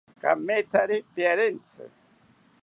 Kamethari piarentzi